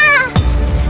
di sana jai